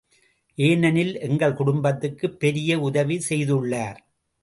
ஏனெனில் எங்கள் குடுப்பத்துக்குப் பெரிய உதவி செய்துள்ளார்.